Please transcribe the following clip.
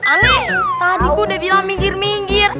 aduh tadi kudu bilang minggir minggir